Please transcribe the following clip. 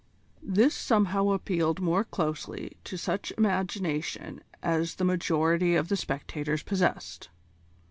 This somehow appealed more closely to such imagination as the majority of the spectators possessed.